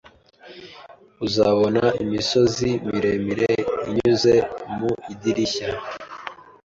Uzabona imisozi miremire unyuze mu idirishya